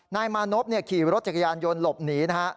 นายมานพขี่รถจักรยานยนต์หลบหนีนะฮะ